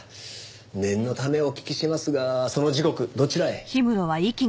念のためお聞きしますがその時刻どちらへ？